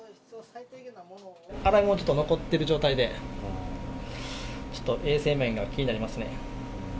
洗いもん、ちょっと残ってる状態で、ちょっと衛生面が気になりますね。